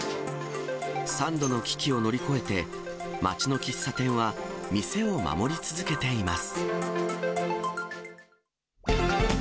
３度の危機を乗り越えて、街の喫茶店は店を守り続けています。